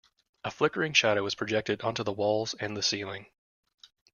A flickering shadow was projected onto the walls and the ceiling.